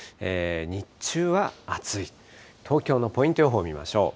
日中は暑い、東京のポイント予報見ましょう。